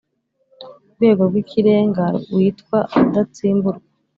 Rwego rw’ikirenga witwa rudatsimburwa;